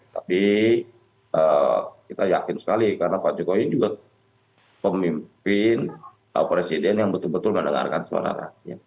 tapi kita yakin sekali karena pak jokowi juga pemimpin presiden yang betul betul mendengarkan suara rakyat